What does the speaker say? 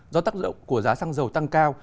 do tác động của giá xăng dầu tăng cao